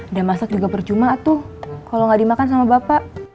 dia masak juga percuma tuh kalau gak dimakan sama bapak